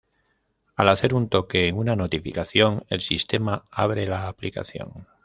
Al hacer un toque en una notificación el sistema abre la aplicación.